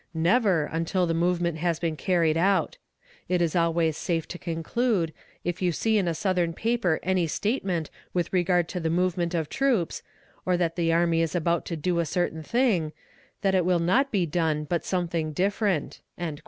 Never, until the movement has been carried out. It is always safe to conclude, if you see in a Southern paper any statement with regard to the movement of troops, or that the army is about to do a certain thing, that it will not be done, but something different."